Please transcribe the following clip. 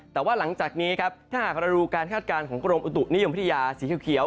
แต่ว่าหลังจากนี้ครับถ้าหากเราดูการคาดการณ์ของกรมอุตุนิยมวิทยาสีเขียว